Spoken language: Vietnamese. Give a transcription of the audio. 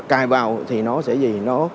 cài vào thì nó sẽ gì